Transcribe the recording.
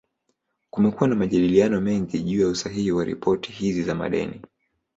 Kumekuwa na majadiliano mengi juu ya usahihi wa ripoti hizi za madeni.